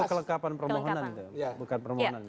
itu kelengkapan permohonan